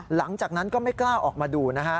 หลังจากนั้นก็ไม่กล้าออกมาดูนะฮะ